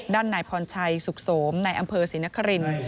ด้านนายพรชัยสุขโสมในอำเภอศรีนคริน